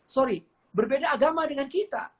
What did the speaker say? sorry berbeda agama dengan kita